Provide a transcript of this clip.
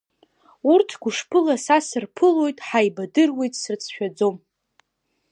Урҭ гәышԥыла са сырԥылоит, ҳаибадыруеит, срыцәшәаӡом!